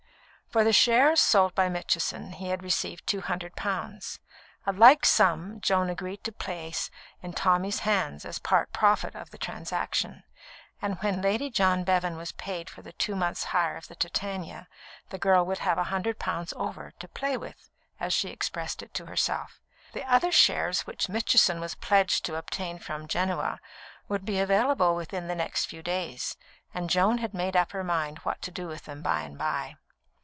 For the shares sold by Mitchison he had received two hundred pounds. A like sum Joan agreed to place in Tommy's hands, as part profit of the transaction; and when Lady John Bevan was paid for the two months' hire of the Titania, the girl would have a hundred pounds over, to "play with," as she expressed it to herself. The other shares which Mitchison was pledged to obtain from Genoa would be available within the next few days, and Joan had made up her mind what to do with them by and by.